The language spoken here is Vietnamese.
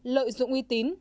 lợi dụng uy tín